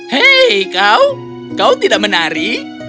hei kau kau tidak menari